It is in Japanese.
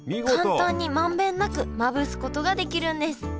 簡単に満遍なくまぶすことができるんです